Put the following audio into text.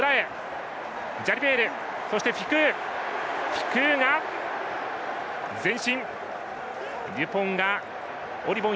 フィクーが前進。